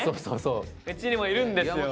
うちにもいるんですよ。